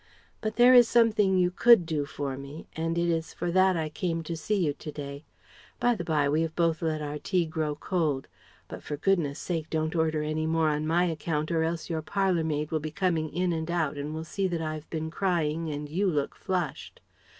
But there is something you could do for me, and it is for that I came to see you to day by the bye, we have both let our tea grow cold, but for goodness' sake don't order any more on my account, or else your parlour maid will be coming in and out and will see that I've been crying and you look flushed.